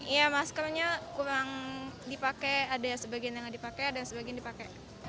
iya maskernya kurang dipakai ada sebagian yang dipakai dan sebagian yang dipakai